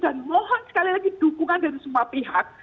mohon sekali lagi dukungan dari semua pihak